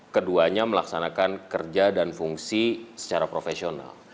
keduanya melaksanakan kerja dan fungsi secara profesional